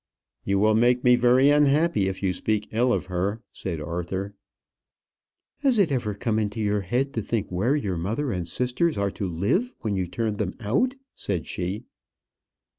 "You will make me very unhappy if you speak ill of her," said Arthur. "Has it ever come into your head to think where your mother and sisters are to live when you turn them out?" said she.